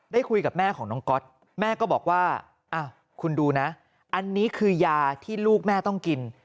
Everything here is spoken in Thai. คุยกับแม่ของน้องก๊อตแม่ก็บอกว่าคุณดูนะอันนี้คือยาที่ลูกแม่ต้องกิน